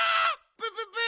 プププ！